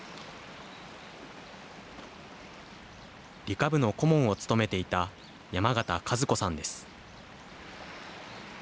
理科部の顧問を務めていた山形和子さんです。